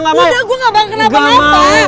udah gue gak mau kenapa kenapa